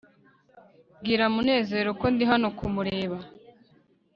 bwira munezero ko ndi hano kumureba